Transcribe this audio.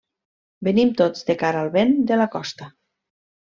Venim tots de cara al vent de la costa.